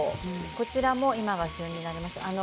これも今が旬になります。